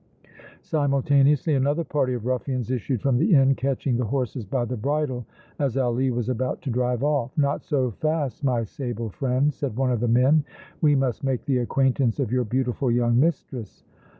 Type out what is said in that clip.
Simultaneously another party of ruffians issued from the inn, catching the horses by the bridle as Ali was about to drive off. "Not so fast, my sable friend!" said one of the men. "We must make the acquaintance of your beautiful young mistress!"